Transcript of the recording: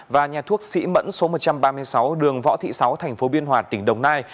và nhà thuốc sĩ mẫn số một trăm ba mươi sáu đường võ thị sáu tp biên hòa tỉnh đồng nai